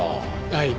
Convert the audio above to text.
はい。